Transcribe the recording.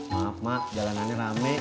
maaf mak jalanannya rame